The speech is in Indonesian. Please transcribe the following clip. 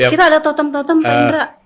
kita ada totem totem pak indra